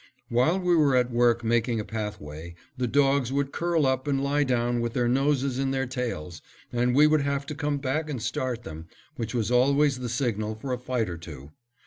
While we were at work making a pathway, the dogs would curl up and lie down with their noses in their tails, and we would have to come back and start them, which was always the signal for a fight or two.